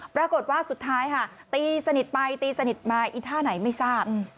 ปรากฏว่าสุดท้ายค่ะตีสนิทไปตีสนิทมาอีท่าไหนไม่ทราบ